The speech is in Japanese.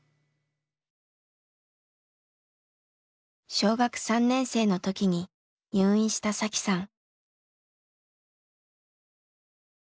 小学３年生の時に入院した紗輝さん。